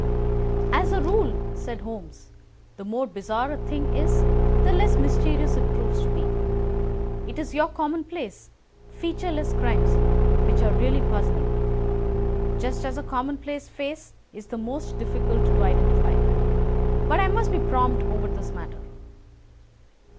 "As a rule," said Holmes, "the more bizarre a thing is the less mysterious it proves to be. It is your commonplace, featureless crimes which are really puzzling, just as a commonplace face is the most difficult to identify. But I must be prompt over this matter."